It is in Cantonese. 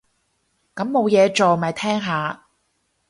咁冇嘢做，咪聽下